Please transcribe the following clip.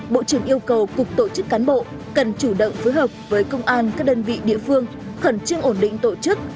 bộ trưởng yêu cầu cục tổ chức cán bộ cần chủ động phối hợp với công an các đơn vị địa phương khẩn trương ổn định tổ chức